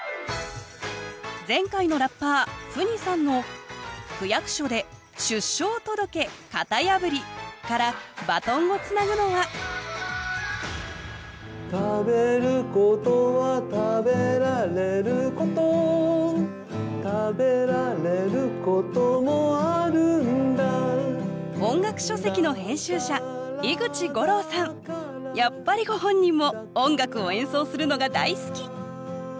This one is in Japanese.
前回のラッパーＦＵＮＩさんの「区役所で出生届型破り」からバトンをつなぐのは食べることは食べられること食べられることもあるんだやっぱりご本人も音楽を演奏するのが大好き。